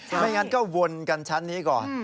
ไม่งั้นก็วนกันชั้นนี้ก่อน